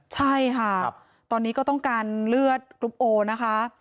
ใช่ค่ะตอนนี้ก็ต้องการเลือดกรุ๊ปโอนะคะ